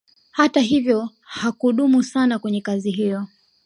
Hata hivyo hakudumu sana kwenye kazi hiyo